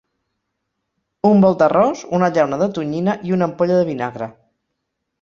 Un bol d'arròs, una llauna de tonyina i una ampolla de vinagre.